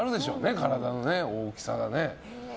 体の大きさがね。